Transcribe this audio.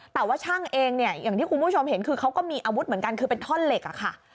แต่ว่าช่างเองเนี่ยอย่างที่คุณผู้ชมเห็นคือเขาก็มีอาวุธเหมือนกันคือเป็นท่อนเหล็กอะค่ะ